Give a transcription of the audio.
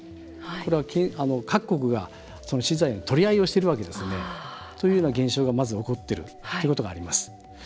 これは各国が資材の取り合いをしているわけですね。というような現象が起こっているというのがあります。